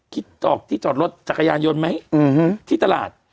จอกที่จอดรถจักรยานยนต์ไหมที่ตลาด